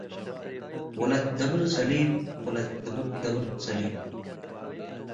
ወለት ደብር ሰሊም፡ ወለት ደብር ሰሊም